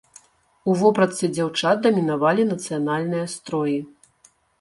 У вопратцы дзяўчат дамінавалі нацыянальныя строі.